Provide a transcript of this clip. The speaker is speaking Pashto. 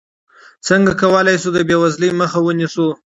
څنګه کولی شو د بېوزلۍ مخه ونیسو؟